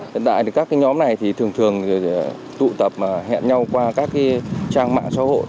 hiện tại các nhóm này thường thường tụ tập hẹn nhau qua các trang mạng xã hội